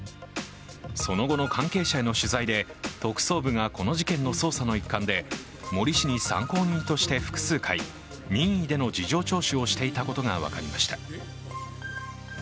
その後の関係者への取材で特捜部がこの事件の捜査の一環で森氏に参考人として複数回、任意での事情聴取をしていたことが分かりました。